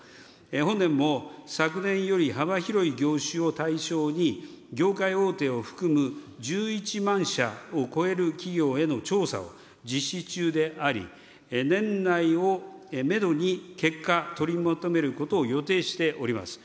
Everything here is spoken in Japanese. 本年も、昨年より幅広い業種を対象に業界大手を含む１１万社を超える企業への調査を、実施中であり、年内をメドに、結果、取りまとめることを予定しております。